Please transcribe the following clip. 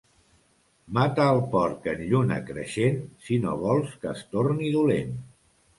Mata el porc en lluna creixent, si no vols que es torni dolent.